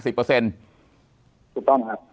ถูกต้องครับ